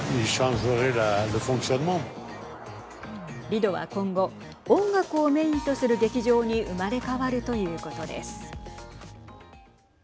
リドは今後音楽をメインとする劇場に生まれ変わるということです。